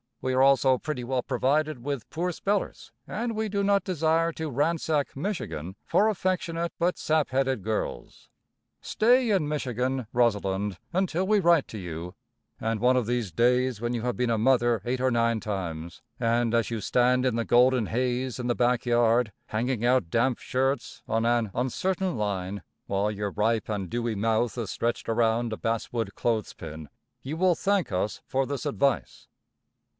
We are also pretty well provided with poor spellers, and we do not desire to ransack Michigan for affectionate but sap headed girls. Stay in Michigan, Rosalinde, until we write to you, and one of these days when you have been a mother eight or nine times, and as you stand in the golden haze in the back yard, hanging out damp shirts on an uncertain line, while your ripe and dewy mouth is stretched around a bass wood clothes pin, you will thank us for this advice.